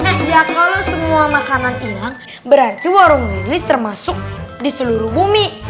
nah ya kalau semua makanan hilang berarti warung wilis termasuk di seluruh bumi